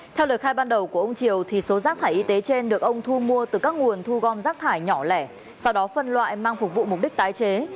theo lời khai ban đầu của ông triều số rác thải y tế trên được ông thu mua từ các nguồn thu gom rác thải nhỏ lẻ sau đó phân loại mang phục vụ mục đích tái chế